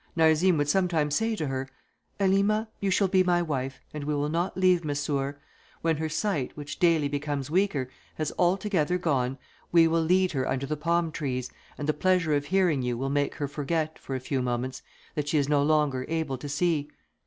Narzim would sometimes say to her, "Elima, you shall be my wife, and we will not leave Missour: when her sight, which daily becomes weaker, has altogether gone, we will lead her under the palm trees, and the pleasure of hearing you will make her forget, for a few moments, that she is no longer able to see.